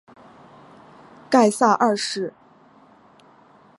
盖萨二世。